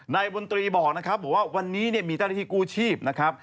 นายบนตรีบอกนะครับบอกว่าวันนี้เนี่ยมีเจ้าหน้าที่กู้ชีพนะครับ